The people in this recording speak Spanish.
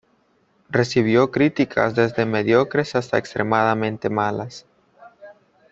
Recibió críticas desde mediocres hasta extremadamente malas.